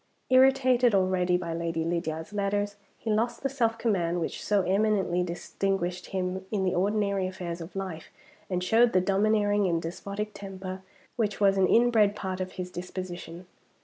Irritated already by Lady Lydiard's letters, he lost the self command which so eminently distinguished him in the ordinary affairs of life, and showed the domineering and despotic temper which was an inbred part of his disposition.